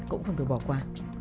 cũng không bị bỏ qua